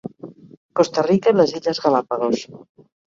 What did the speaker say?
Costa Rica i les illes Galápagos.